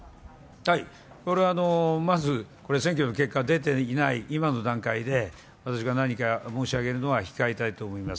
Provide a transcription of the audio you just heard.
これはまず選挙の結果出ていない今の段階で、私が何か申し上げるのは控えたいと思います。